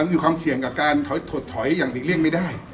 มีความเสี่ยงกับการถอยถดถอยอย่างหลีกเลี่ยงไม่ได้